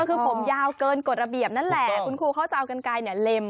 ก็คือผมยาวเกินกฎระเบียบนั่นแหละคุณครูเขาจะเอากันไกลเนี่ยเล็ม